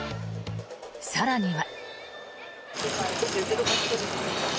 更には。